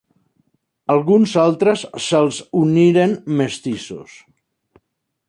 Alguns altres se’ls uniren mestissos.